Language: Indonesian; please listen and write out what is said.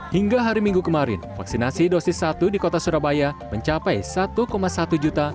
hingga hari minggu kemarin vaksinasi dosis satu di kota surabaya mencapai satu satu juta